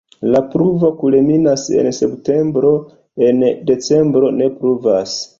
La pluvo kulminas en septembro, en decembro ne pluvas.